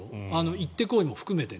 行って来いも含めて。